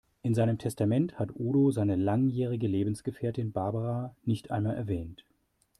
In seinem Testament hat Udo seine langjährige Lebensgefährtin Barbara nicht einmal erwähnt.